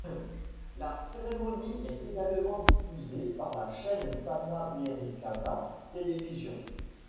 La cérémonie est également diffusée par la chaîne Panamericana Televisión.